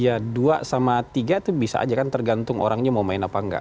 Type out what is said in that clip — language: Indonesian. ya dua sama tiga itu bisa aja kan tergantung orangnya mau main apa enggak